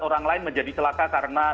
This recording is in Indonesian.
orang lain menjadi celaka karena